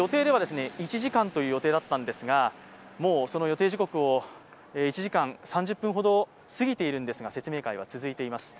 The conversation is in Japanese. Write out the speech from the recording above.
１時間という予定だったんですが、その予定時刻を１時間３０分ほど過ぎているんですが、説明会は続いています。